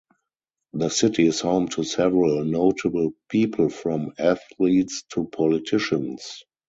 The city is home to several notable people from athletes to politicians.